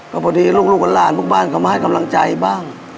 พอผลีลูกลูกว่าหลานมึงบ้านเขามาให้กำลังใจบ้าง